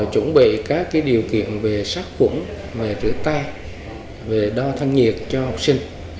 chuẩn bị các điều kiện về sát khủng rửa tay đo thăng nhiệt cho học sinh